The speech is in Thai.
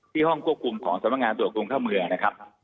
ที่ห้องควบคุมของสำหรับงานตัวกรุงเข้าเมือนะครับ